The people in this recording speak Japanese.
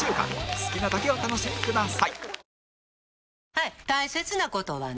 好きなだけお楽しみください